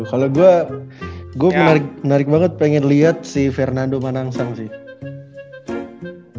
kalo gua gua menarik banget pengen liat si fernando manangsang sih